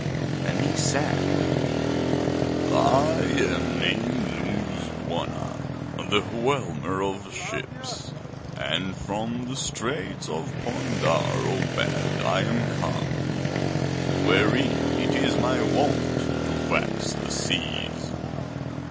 And he said: 'I am named Nooz Wana, the Whelmer of Ships, and from the Straits of Pondar Obed I am come, wherein it is my wont to vex the seas.